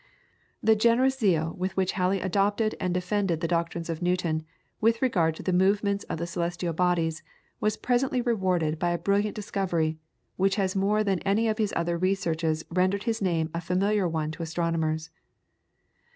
The generous zeal with which Halley adopted and defended the doctrines of Newton with regard to the movements of the celestial bodies was presently rewarded by a brilliant discovery, which has more than any of his other researches rendered his name a familiar one to astronomers.